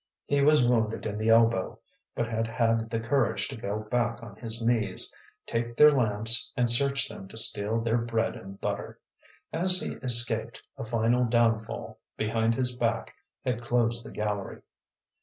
He was wounded in the elbow, but had had the courage to go back on his knees, take their lamps, and search them to steal their bread and butter. As he escaped, a final downfall behind his back had closed the gallery.